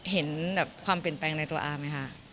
เห็นแบบความเปลี่ยนแปลงในตัวอาไหมคะ